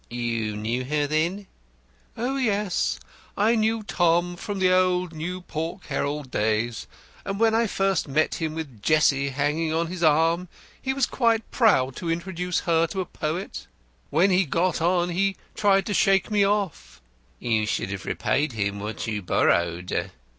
"You knew her, then?" "Oh, yes. I knew Tom from the old New Pork Herald days, and when I first met him with Jessie hanging on his arm he was quite proud to introduce her to a poet. When he got on he tried to shake me off." "You should have repaid him what you borrowed."